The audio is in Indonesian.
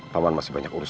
kamu apa apaan gendis